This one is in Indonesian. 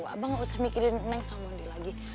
abah gak usah mikirin neng sama mandi lagi